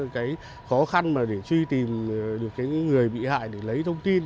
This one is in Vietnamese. khó khăn để truy tìm được những người bị hại để lấy thông tin